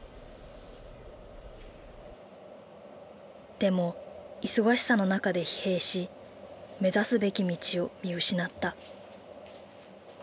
でも忙しさの中で疲弊し目指すべき道を見失った。